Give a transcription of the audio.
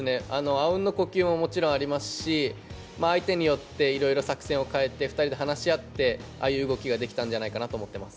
あうんの呼吸ももちろんありますし、相手によっていろいろ作戦を変えて、２人で話し合って、ああいう動きができたんじゃないかなと思っています。